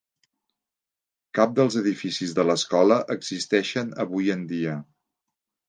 Cap dels edificis de l'escola existeixen avui en dia.